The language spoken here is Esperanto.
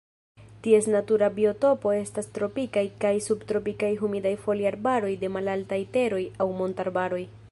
Ties natura biotopo estas tropikaj kaj subtropikaj humidaj foliarbaroj de malaltaj teroj aŭ montarbaroj.